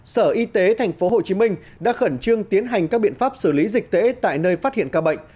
sở y tế tp hcm đã khẩn trương tiến hành các biện pháp xử lý dịch tễ tại nơi phát hiện ca bệnh